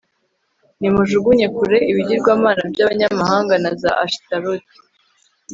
nimujugunye kure ibigirwamana by'abanyamahanga na za ashitaroti